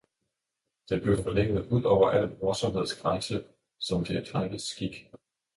Den blev forlænget ud over al morsomheds grænse, som det er drenges skik.